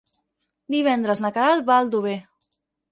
Divendres na Queralt va a Aldover.